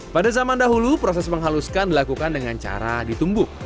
pada zaman dahulu proses menghaluskan dilakukan dengan cara ditumbuk